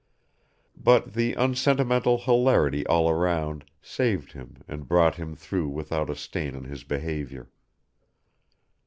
But the unsentimental hilarity all around saved him and brought him through without a stain on his behavior.